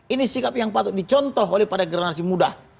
ini sikap yang patut dicontoh oleh pada generasi muda